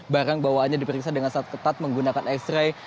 barang bawaannya diperiksa dengan sangat ketat menggunakan x ray